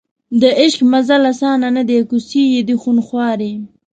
د عشق مزل اسان نه دی کوڅې یې دي خونخوارې